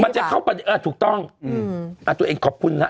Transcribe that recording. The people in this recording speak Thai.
มันจะเข้าประเด็นอ่ะถูกต้องอืมอ่าตัวเองขอบคุณฮะ